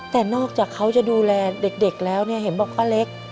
แต่นอกจากเขาจะดูแลเด็กแล้วเนี่ยเห็นบอกป้าเล็ก